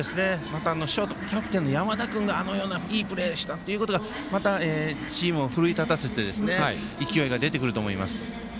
ショート、キャプテンの山田君があのようないいプレーしたことがまた、チームを奮い立たせて勢いが出てくると思います。